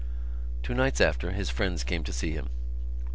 Two nights after his friends came to see him.